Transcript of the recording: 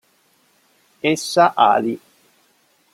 Essa Ali